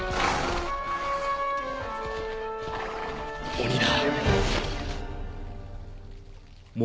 鬼だ。